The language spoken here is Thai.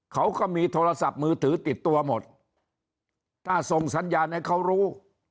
เขาก็มีโทรศัพท์มือถือติดตัวหมดถ้าส่งสัญญาณให้เขารู้